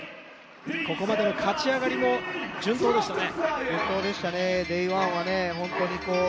ここまでの勝ち上がりも順当でしたね。